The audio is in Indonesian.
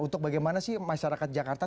untuk bagaimana sih masyarakat jakarta